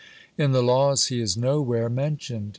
In the Laws he is nowhere mentioned.